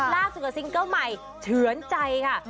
ล่าสุดกับซิงเกิ้ลใหม่เชื่อนใจค่ะ